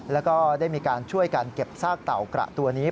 แล้วก็ได้มีการช่วยกันเก็บซากเต่ากระตัวนี้